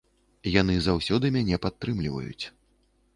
Яны заўсёды мяне падтрымліваюць.